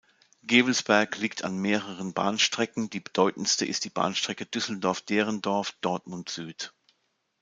Gevelsberg liegt an mehreren Bahnstrecken, die bedeutendste ist die Bahnstrecke Düsseldorf-Derendorf–Dortmund Süd.